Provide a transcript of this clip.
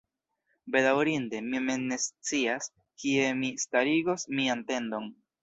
Bedaŭrinde, mi mem ne scias, kie mi starigos mian tendon.